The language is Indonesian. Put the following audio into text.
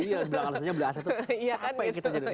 iya bilang harusnya beli aset terus capek gitu